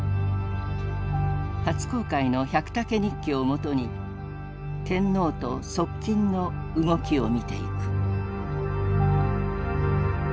初公開の「百武日記」をもとに天皇と側近の動きを見ていく。